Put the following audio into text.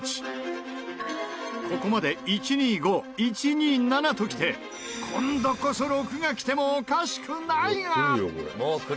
ここまで１２５１２７ときて今度こそ６がきてもおかしくないが。